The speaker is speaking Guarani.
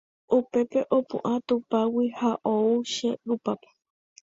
Upépe opu'ã tupágui ha ou che rupápe